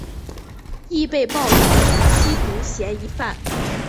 亦被报导为吸毒嫌疑犯。